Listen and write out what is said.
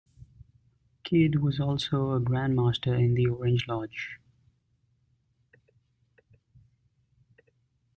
Kidd was also a Grand Master in the Orange Lodge.